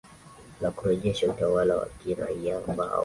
na kurejesha utawala wa kiraia ambao